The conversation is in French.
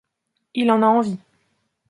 Il en a envie.